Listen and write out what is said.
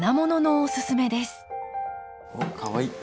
おっかわいい。